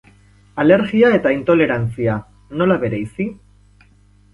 Alergia eta intolerantzia, nola bereizi?